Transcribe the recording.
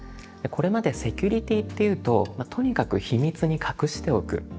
これまでセキュリティっていうととにかく秘密に隠しておく。